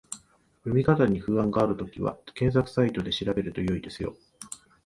読み方に不安があるときは、検索サイトで調べると良いですよ